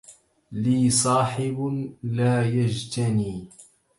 لي صاحب لا يجتني